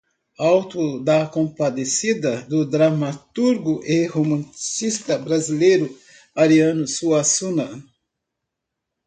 Auto da Compadecida, do dramaturgo e romancista brasileiro Ariano Suassuna